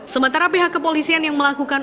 sementara pihak kepolisian yang melakukan